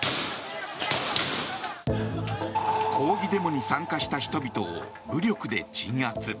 抗議デモに参加した人々を武力で鎮圧。